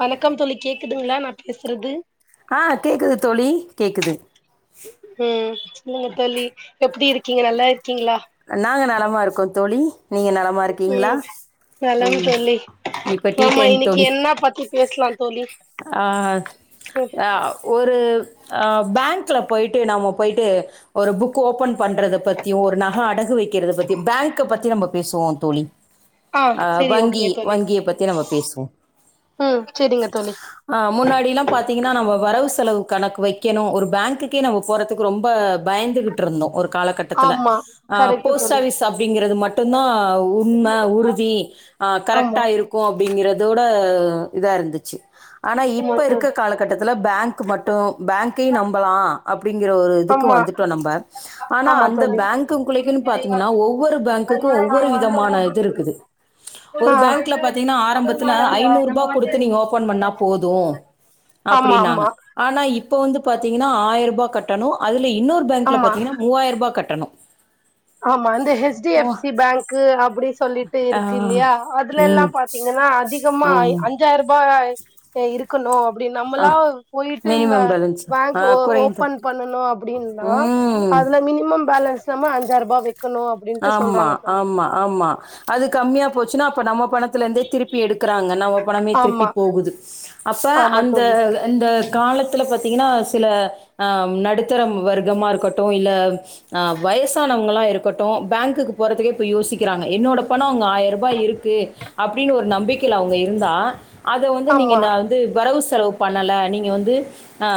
வணக்கம் தோழி கேக்குதுங்ளா நா பேசுறது ஆ கேக்குது தோழி கேக்குது ம் நீங்க தோழி எப்டி இருக்கீங்க நல்லா இருக்கீங்ளா நாங்க நலமா இருக்கோ தோழி நீங்க நலமா இருக் ம் நலம் தோழி இப்ப டீ ஆமா டைம் இன்னைக்கி தோழி என்ன பத்தி பேஸ்லா தோழி ஆ ம் ஆ ஒரு அ பேங்க்ல போய்ட்டு நம்ம போய்ட்டு ஒரு புக் ஓப்பன் பண்றத பத்தியு ஒரு நகை அடகு வைக்கிறத பத்தியு பேங்க்க பத்தி நம்ம பேசுவோ தோழி ஆ சரி வங்கி ஓகே தோழி வங்கிய பத்தி நம்ம பேசுவோ ம் சரிங்க தோழி அ முன்னாடிலா பாத்தீங்ன்னா நம்ம வரவு செலவு கணக்கு வைக்கணு ஒரு பேங்க்குக்கே நம்ம போற துக்கு ரொம்ப பயந்துகிட்ருந்தோ ஒரு காலகட்டத்துல ஆமா அ கரெக்ட்டு போஸ்ட் தோழி ஆஃபிஸ் அப்டிங்கிறது மட்டு்ந்தா உண்ம உறுதி ஆ ஆமா கரெக்டா இருக்கு அப்டிங்கறதோட இதா இருந்துச்சு ஆனா ஆமா இப்ப தோழி இருக்க காலக் கட்டத்தில்ல பேங்க் மட்டு பேங்கையு நம்பலா அப்டிங்கிற ஒரு இதுக்கு ஆமா வந்துட்டோ நம்ப ஆனா ஆமா அந்த தோழி பேங்க குள்ளக்குனு பாத்தீங்ன்னா ஒவ்வொரு பேங்க் குக்கு ஒவ்வொரு விதமான இது இருக்குது ஆ ஒரு பேங்க்ல பாத்தீங்ன்னா ஆரம்பத்துல ஐநூற் ரூபா குடுத்து நீங்க ஓப் ஓபன் பண்ணா போது ஆமா அப்டின்னாங்க ஆமா ஆனா இப்ப வந்து பாத்தீங்ன்னா ஆயிர் ரூபா கட்டணு அதுல இன்னொரு பேங்க்ல ஆமா பாத்தீங்ன்னா மூவாயிர் ரூபா கட்டணு ஆமா இந்த ஹச்டி ஓ எஃப்சி பேங்க்கு அப்டி சொல்லிட்டு ஆ இருக்கு இல்யா அதுல ம் எல்லாம் பாத்தீங்கன்னா அதிகமா ம் அஞ்சாயிரூபா இருக்கணும் அப்டி ஆ நம்மளா போயிட்டு இந்த மினிமம் பேலன்ஸ் ஆ பேங்க்ஓ குறைந்த ஓபன் பண்ணனும் அப்டின்னா ம் அதுல மினிமம் பேலன்ஸ் மா அஞ்ஜாயிரூபா வக்கணும் ஆமா ஆமா ஆமா அது கம்மியா போச்சுன்னா அப்ப நம்ம பணத்த இதுலந்தே திருப்பி எடுக்கறாங்க நம்ம பனமே திருப்பி ஆமா போகுது அப்ப ஆமா அந்த தோழி இந்த காலத்துல பாத்தீங்கன்னா சில அ நடுத்தர வர்க்கமா இருக்கட்டும் இல்ல ஆ வயசானவங்களாம் இருக்க டோ பேங்குக்கு போறதுக்கே இப்போ யோசிக்கிறாங்க என்னோட பணோ அங்க ஆயிர்ரூபா இருக்கு அப்டினு ஒரு நம்பிக்கைல அவுங்க இருந்தா அது வந்து நீங்க ஆமா நா வந்து வரவு செலவு பண்ணல நீங்க வந்து ஆ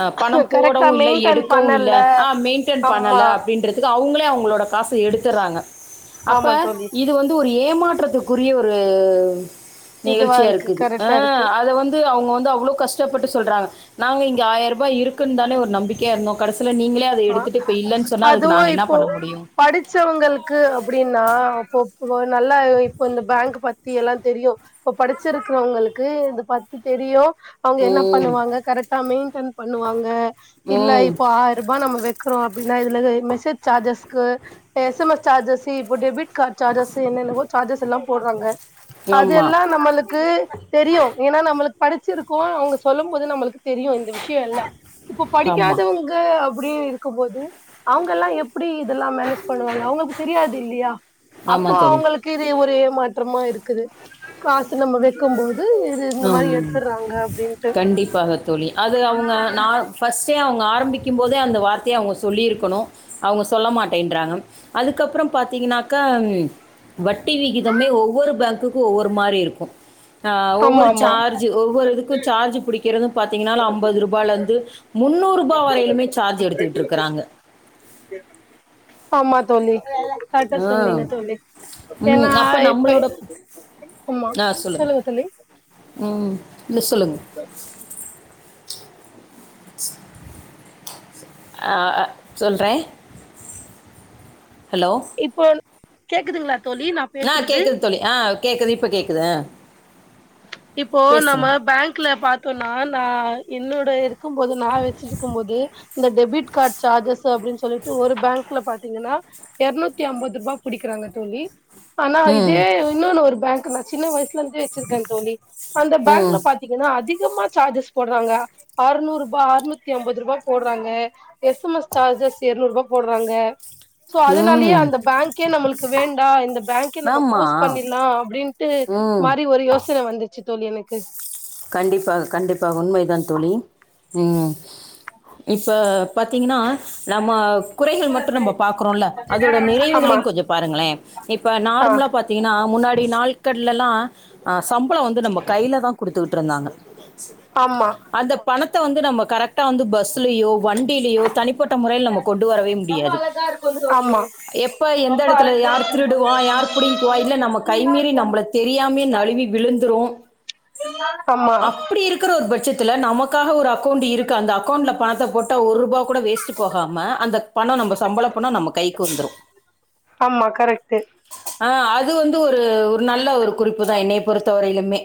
அ பணம் கரெக்டா போடவு இல்ல மெயின்டென் எடுக்கவு இல்ல பண்ணல ஆ மெயின்டென் பண்ணல ஆமா அப்டின்ற துக்கு அவுங்களே அவங்களோட காசு எடுத்துறாங்க அப்ப ஆமா தோழி இது வந் து ஒரு ஏமாற்றத்துக்குரிய ஒரு இதுவா நிகழ்ச்சியா இருக்கு இருக்குது அ கரெக்டா இருக்கு அத வந் து அவுங்க வந்து அவ்ளோ கஷ்டப்பட்டு சொல்றாங்க நாங்க இங்க ஆயிரூபா இருக்குன் தானே ஒரு நம்பிக்கையா இருந்தோ கடசில நீங்களே ப்ப மா எடுத்துட்டு இப்ப இல்லன் சொன்னா அதுக்கு அதுவு நாங்க என்ன இப்போ பண்ண முடியு படிச்சவங்களுக்கு அப்டின்னா அப்போ நல்லா இப்போ இந்த பேங்க் பத்தி எல்லா தெரியு இப்ப படிச்சுருக்கறவொங்களுக்கு இத பத்தி தெரியு அவுங்க என்ன ம் பண்ணுவாங்க கரெக்டா மெயின்டன் பண்ணுவாங்க இல்ல ம் இப்ப ஆயிரபா நம்ம வக்றோ அப்டினா இதுல இது மெசெஜ் சார்ஜஸ்கு எஸ் எம் எஸ் சார்ஜஸ் இப்ப டெபிட் கட் சார்ஜஸ் என்னென்னவோ சார்ஜஸெல்லா போடுறாங்க அது ஆமாம் எல்லா நம்மளுக்கு தெரியு ஏன்னா நம்மளுக் படிச்சிருக்கோ அவுங்க சொல்லும் போது நம்மளுக்கு தெரியு இந்த விஷய ல்ல இப்ப ஆமாம் படிக்காதவங்க அப்டி இருக்கும்போது அவங்கல்லா எப்டி இதெல்லா மேனேஜ் பண்ணுவாங்க அவுங்களுக் தெரியாது இல்யா அப்போ ஆமாம் தோழி அவங்க கு இது ஒரே மாற்றமா இருக்குது காசு நம்ப வக்கும்போது ம் கண்டிப்பாக தோழி அது அவுங்க நா ஃபஸ்ட்டே அவுங்க ஆரம்பிக்கும் போதே அந்த வார்த்தைய அவுங்க சொல்லிருக்கணு அவுங்க சொல்ல மாட்டேன்றாங்க அதுக்கப்றம் பாத்தீங்னாக்க வட்டி விகிதம்னே ஒவ்வொரு பேங்க்குக்கு ஒவ்வொரு மாரி இருக்கும் ஆ ஆமா ஒவ்வொரு ஆமா சார்ஜ் ஒவ்வொரு இதுக்கு சார்ஜ் புடிக்கறது பாத்தீங்கனா அம்பது ரூபால இருந்து முன்னூறு ரூபா வரைலுமே சார்ஜ் எடுத்துக்கிட்ருக்காங்க ஆமா தோழி கரெட்டா ஆ சொன்னீங்க தோழி ஏன்னா ம் அப்போ இப்ப நம்மளோட ஆமா ஆ சொல்லுங்கள் சொல்லுங்க தோழி ம் நீங்க சொல்லுங்க [inaudible] ஆ சொல்றேன் ஹலோ இப்போ கேக்குதுங்களா தோழி நா ஆ பேசுறது கேக்குது தோழி ஆ கேக்குது இப்ப கேக்குது ஆ இப்போ நம்ம பேசுங்க பேங்க்ல பாத்தோனா நா என்னோட இருக்கும் போது நா வச்சு இருக்கு போது இந்த டெபிட் காட் சார்ஜஸ் அப்டின் சொல்லிட்டு ஒரு பேங்க்ல பாத்தீங்கனா எரநூத்தி அம்பது ரூபா புடிக்கறாங்க தோழி ஆனா ம் இதே இன்னொனு ஒரு பேங்க் நா சின்ன வயசுலந்தே வச்சுருக்கேன் தோழி அந்த ம் பேங்க்ல பாத் தீங்கனா அதிகமா சார்ஜஸ் போட்றாங்க ஆற்நூறுபா ஆறுநூத்தி ஐம்பது ரூபா போட்றாங்க எஸ் எம்எஸ் சார்ஜஸ் எருநூறுபா போட்றாங்க சோ அதனாலயே ம் அந்த பேங்கே நம்மளுக்கு வேண்டா இந்த பேங்கே நம்ம ஆமா குளோஸ் பண்ணிற்லா அப்டின்ட்டு ம் மாறி ஒரு யோசன வந்துச்சி தோழி எனக்கு கண்டிப்பா கண்டிப்பா உண்மைதா தோழி ம் இப்ப பாத்தீங்கனா நம்ம குறைகள் மட்டு நம்ப பாக்குறோல அதோட ஆமா நிறைவுகளையு கொஞ்ச பாருங்களே இப்ப ஆ நார்ம்லா பாத்தீங்கனா முன்னாடி நாட்கள்லலா அ சம்பளோ வந்து நம்ம கைலதா குடுத்துகிட்ருந்தாங்க ஆமா அந்த பணத்த வந்து நம்ம கரெக்டா வந்து பஸ்ஸுலையோ வண்டியிலயோ தனிப்பட்ட முறையில் நம்ம கொண்டு வரவே முடியாது ஆமா எப்ப எந்த எடத்துல யார் திருடுவா யார் புடிங்க்குவா இல்ல நம்ம கைமீறி நம்ள தெரியாமயே நழுவி விழுந்துரு ஆமா அப்டி இருக் குற ஒரு பட்சத்துல நமக்காக ஒரு அக்கௌண்ட் இருக்கு அந்த அக்கௌண்ட்ல பணத்த போட்டா ஒர்ரூபா கூட வேஸ்ட்டு போகாம அந்த பணோ நம்ப சம்பள பணோ நம்ம கைக்கு வந்துரு ஆமா கரெக்ட்டு ஆ அது வந்து ஒரு ஒரு நல்ல ஒரு குறிப்புதா என்னைய பொறுத்தவரையிலு மே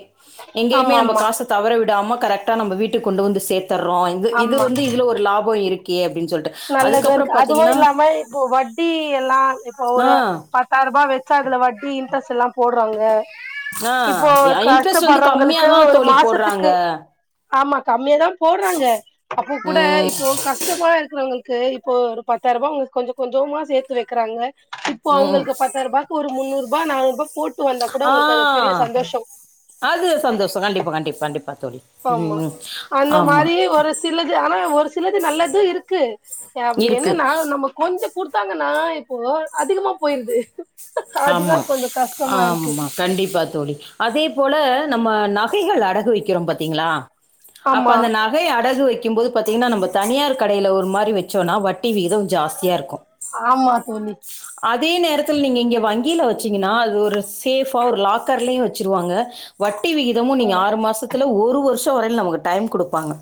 எங்கேயுமே ஆமா நம்ப ஆமா காச தவற விடாம கரெக்டா நம்ம வீட்டுக் கொண்டு வந்து சேத்தர்றோ இது இது ஆமா வந்து இதுல ஒரு லா போ இருக்கே அப்டின் சொல்ட்டு நல்லது இருக்கு அதுவு இல்லாம இப்போ வட்டி எல்லா இப்போ ஒரு ஆஹ் பத் தாயிரூபா வச்சா அதுல வட்டி இன்ரெஸ்டெல்லா போடுறாங்க இப்போ ஆ இன்ட்ரெஸ்ட் வந்து கம்மியா கஷ்டப்பட்றவங்களுக்கு தான் ஒரு தோழி போடுறாங்க மாசத்துக்கு ஆமா கம்மியாதா போடுறாங்க அப்போ கூட ம் இப்போ கஷ்டமா இரு குறவங்களுக்கு இப்போ ஒரு பத்தாயிருபா அவுங்க கொஞ்ச கொஞ்சோமா சேத்து வைக்கிறாங்க இப்போ ம் அவங்களுக்கு பத்தாயிரபா ஒரு முன்னூறுபா நானூறுபா போட் ஆஹ் அது சந்தோஷோ கண்டிப்பா கண்டிப்பா கண்டிப்பா தோழி ஆமா ம் அந்த ஆமா மாரி ஒரு சிலது ஆனா ஒரு சிலது நல்லது இருக்கு எ அப்டி இருக்கு என்னனா நம்ம கொஞ்சொ குடுத்தாங்கனா இப்போ அதிகமா போயிருது அதுதா ஆமா கொஞ்சோ கஷ்டமா இருக்கு ஆமா கண்டிப்பா தோழி அதே போல நம்ம நகைகள் அடகு வைக்கிறோ பாத்தீங்களா அப்ப ஆமா அந்த நகை அடகு வைக் கிம்போது பாத்தீங்கனா நம்ப தனியார் கடையில ஒரு மாரி வச்சோனா வட்டி விகிதோ ஜாஸ்தியா இருக்கு ஆமா தோழி அதே நேரத்துல் நீங்க இங்க வங்கியில வச்சீங்கனா அது ஒரு சேஃபா ஒரு லாக்கர்லயு வச்சிருவாங்க வட்டி விகி தமு நீங்க ஆமா ஆறு மாசத்துல ஒரு வருஷோ வரையில் நமக்கு டைம் குடுப்பாங்க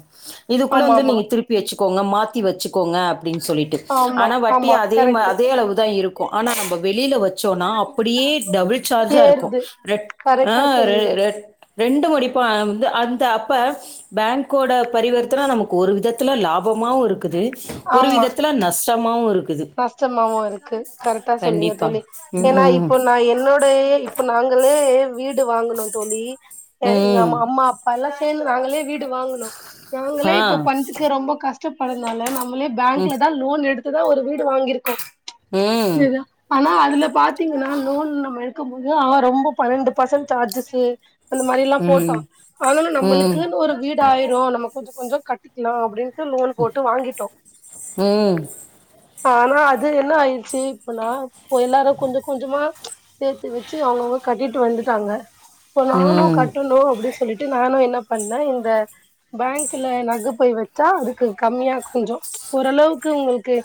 இதுக்குள்ள ஆமா வந்து ஆமா நீங்க திருப் பி வச்சிக்கோங்க மாத்தி வச்சிக்கோங்க அப்டின் சொல்லிட்டு ஆமா ஆனா வட்டி ஆமா அதே மா கரெக்ட் அ ளவுதா இருக்கு ஆனா நம்ம வெளியில வச்சோனா அப்படியே டபுள் சார்ஜா இருக்கு ஏறுது ரெ கரெக்டா சொ ரெ ரெட் ரெண்டு மடிப்பா வந்து அந்த அப்ப பேங்க்கோட பரிவர்த்தன நமக்கு ஒரு விதத்துல லாபமாவுருக் குது ஒரு விதத்துல நஷ்டமாவு இருக்குது கஷ்டமாவு இருக்கு கரெக்டா சொல்லுங்க கண்டிப்பா தோழி ம் ஏனா இப்போ நா என்னோ பயே இப்ப நாங்களே வீடு வாங்குனோ தோழி எ ம் எங்க ம் மம்மாப் பாயெலா சேந்து நாங்களே வீடு வாங்குனோ நாங்களே ஆ இப்போ பண்துக்கு ரொம்ப கஷ்டப்படுறனால நா மளே ம் பேங்க்லதா லோன் எடுத்துதா ஒரு வீடு வாங்கிருக்கோ ம் திதா ஆனா அதுல பாத் தீங்கனா லோன் நம்ம எடுக்கம் ஆ ரொம்ப பன்னென்டு பர்சன்ட் சார்ஜஸு அந்த மாரில்லா ம் ம் போட்டா ம் அதனால ம் நம்முளுக்குன்னு ஒரு வீடு ஆயிடு நம்ம கொஞ்ச கொஞ்ச கட்டிக்கலா அப்பிடின்னு பர்சனல் லோன் போட்டு வாங்கிட்டோ ம் ஆனா அது என்ன ஆயிடுச்சு இப்பனா இ எல்லாரு கொஞ்ச கொஞ்சமா சேத்து வச்சு அவுங்க அவுங்க கட்டிட்டு வந்துட்டாங்க இப்ப நானு ம் கட்டணு அப்பிடி சொ சொல்லிட்டு நானு என்ன பண்ணே இந்த பேங்க்ல நகை போய் வச்சா அதுக்கு கம்மியா கொஞ்ச ஓரளவுக்கு உங்களுக்கு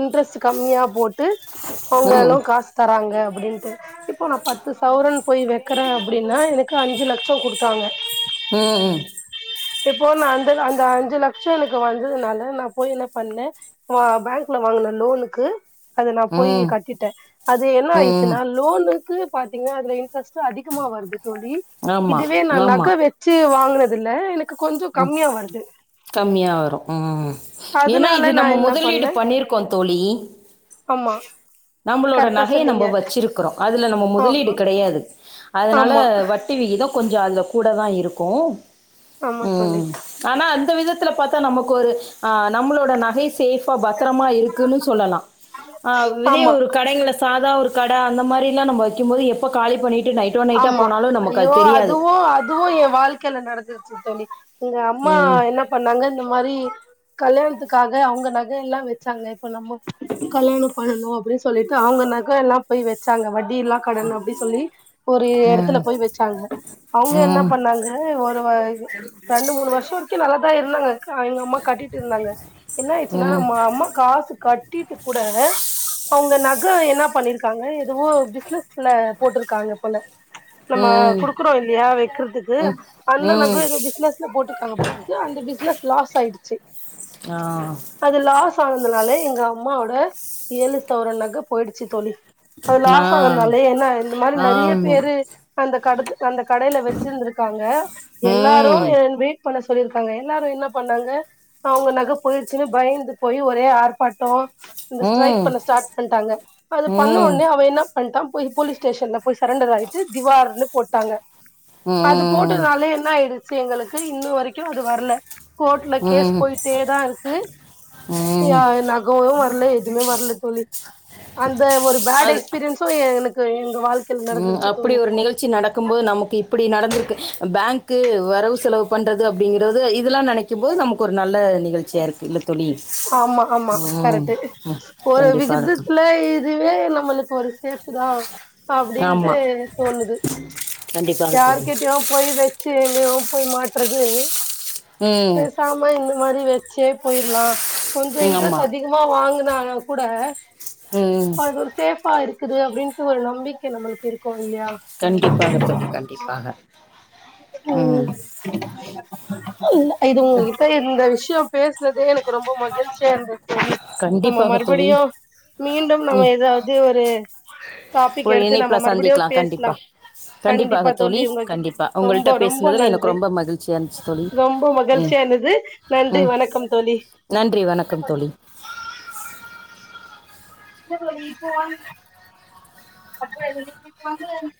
இன்ட்ரெஸ்ட் கம்மியா போட்டு அவுங்களோ காசு தராங்க அப்பிடின்ட்டு இப்போ நா பத்து சௌரன் போய் வெக்கறை அப்பிடின்னா எனக்கு அஞ்சு லட்ச குடுத்தாங்க ம் ம் இப்போ நா அந்த அந்த அஞ்சு லட்ச எனக்கு வந்ததுனால நா போய் என்ன பண்ண ஆ பேங்க்ல வாங்கின லோனுக்கு அத நா போய் ம் கட்டிட்டே அது என்ன ம் ஆயிடுச்சுன்னா லோனுக்கு பாத்தீங்கனா அதுல இன்ட்ரெஸ்டு அதிகமா வருது தோழி ஆமா இதுவே நா ஆமா நக வெ செயி வாங்கனதுல்ல எனக் ம் கம்மியா வரும் ம் ஏன்னா அதனால இது நா நம்ம என்ன முதலீடு பண்ணே பண்ணிருக் ப்போம் தோழி ஆமா நம்பளோட கரெக்டா நகைய நம்ம சொன்னீங்க வச்சிருக்கிறோம் அதுல நம்ம முதலீடு ஆமா கெடையாது அதனால ஆமா வட் ட்டி விகிதம் கொஞ்சம் அது கூட தான் இருக்கோ ஆமா தோழி ம் ஆனா அந்த விதத்துல பாத்தா நமக்கு ஒரு ஆ நம்பளோட நகை சேஃபா பத்திரமா இருக்குன்னு சொல்லலா வெளிய ஆமா ஒரு கடைங்களை சாதா ஒரு கட அந்த மாரிலாம் நம்ப வெக்கும்போது எப் இப்போ காலி பண்ணிட்டு நைட்டோட நைட்டு போனாலும் நமக்கு அது தெரியாது இதுவும் என் வாழ்க்கையில நடந்துருச்சு தோழி எங்க அம்மா ம். என்ன பண்ணாங்க இந்த மாறி கல்யாணத்துக்காக அவுங்க நகை எல்லாம் வச்சாங்க இப்ப நம்ம கல்யாணம் பண்ணணும் அப்பிடின்னு சொ சொல்லிட்டு அவுங்க நக எல்லாம் போய் வச்சாங்க வட்டில்லா கடன் அப்பிடின்னு சொல்லி ஒரு எடத்துல ம். போய் வச்சாங்க அவுங்க என்ன ம். பண்ணாங்க ஒரு ரெண்டு மூணு வருஷ வரைக்கும் நல்லதான் இருந்தாங்க எங்க அம்மா கட்டிட்டு இருந்தாங்க என்ன ஆயிச்சுன்னா ம். நம் நம்ம காசு கட்டிட்டு கூட அவுங்க நக என்ன பண்ணிருக்காங்க எதுவோ பிசினஸ்ல போட்டுருக்காங்க போல நம்ம ம். குடுக்குறோம் இல்லையா வெக்கறதுக்கு ம். அந்த ம். நக எது பிஸ் பிஸ்னஸ்னு போட்டுருக்காங்க போலருக்கு அந்த பிஸ்னஸ் லாஸ் ஆயிடுச்சு ஆ அது லாஸ் ஆனதுனால எங்க அம்மாவோட ஏழு சவரோ நக போயிடுச்சு தோழி அது ஆ. லாஸ் ஆகுந்தாலே என்ன ஆயிட இந்த மாறி நறிய ஆம். ஏ அந்த கடத் அந்த கடையில வச்சிருந்திருக்காங்க எல்லாரும் ம் என் வெயிட் ட் பண்ண சொல்லியிருக்காங்க எல்லாரும் என்ன பண்ணாங்க அவங்க நக போயிச்சுனு பயந்து போயி ஒரே ஆர்ப்பாட்டம் இந்த ஸ்ட்ரைக் ம் பண்ண ஸ்டார்ட் பண்ட்டாங்க அது பண்ண ம் ம் உனே அவ என்ன பண்ணிட்டான் போய் போலீஸ் ஸ்டேஷன்ல போய் சரண்டர் ஆயிட்டு திவார்ன்னு போட்டாங்க அது போட்டதுனால என்ன ஆயிடு விஷயங்களுக்கு இன்னும் வரைக்கும் அது வரல கோர்ட்ல கேஸ் ம் போயிட்டே தான் இருக்கு ய ம் நகவும் வரல எதுவுமே வரல தோழி அந்த ஒரு பேட் அது எக்ஸ்பீரியன்ஸ் சோ எனக்கு எங்க வாழ் ம் அப்பிடி ஒரு நிகழ் ச்சி நடக்கும்போது நமக்கு இப்பிடி நடந்திருக்கு பேங்க் வரவு செலவு பண்ற து அப்பிடிங்கிறது இதெல்லாம் நெனைக்கும் போது நமக்கு ஒரு நல்ல நிகழ்வு செரிக்க தோழி ஆமா ஆமா ம் கண்டிப்பாக ஆ இதுவே நம்மளுக்கு ஒரு சேப்பு தா அப்டின்ட்டு ஆமா தோணுது கண்டிப்பாக தோழி யார்கிட்டயோ போய் வெச்சு எங்கயோ போய் மாட்றது ம் பேசாம இந்த மாறி வெச்சே போயிர்லா கொஞ்சோ ம் ஆமா இன்ட்ரெஸ்ட் அதி கிமா வாங்கனாலு கூட ம் [inaudible] சேபா இருக்குது அப்டின்ட்டு ஒரு நம்பிக்கை நம்மளுக்கு இருக்கும் இல்லையா கண்டிப்பாக தோழி கண்டிப்பாக ம் [inaudible] இல்ல இது உங்ககிட்ட இந்த விஷயோ பேசுறதே எனக்கு ரொம்ப மகிழ்ச்சியா இருந்த நம்ம கண்டிப்பாக தோழி மறுபடியு மீண்டும் ம் நம்ம எதாவது ஒரு டாபிக் ஒரு எடுத்து நம்ம இணைப்புல மறுபடியு சந்திக்கலாம் கண்டிப்பா பேசலாம் கண்டிப்பா கண்டிப்பாக தோழி உங்க கிட்ட கண்டிப்பா உங்கள்ட்ட ரொம்ப ரொம்ப பேசினதுல எனக்கு நன்றி ரொம்ப மகிழ்ச்சியா இருந்துச்சு தோழி ரொம்ப ம ம் கள்ச்சியாந்துது நன்றி ம் வணக்கம் தோழி நன்றி வணக்கம் தோழி போ அப்ப [inaudible]